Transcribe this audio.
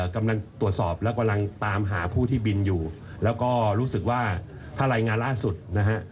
กำลังตรวจสอบและกำลังตามหาผู้ที่บินอยู่แล้วก็รู้สึกว่าถ้ารายงานล่าสุดนะฮะ